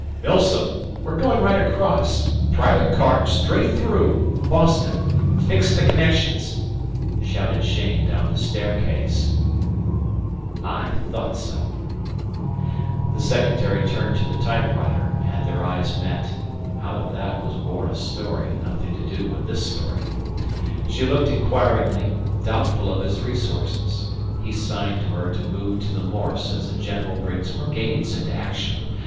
"Milsom, we're going right across. Private car straight through Boston. Fix the connections," shouted Cheyne down the staircase. "I thought so." The secretary turned to the typewriter, and their eyes met (out of that was born a story nothing to do with this story). She looked inquiringly, doubtful of his resources. He signed to her to move to the Morse as a general brings brigades into action.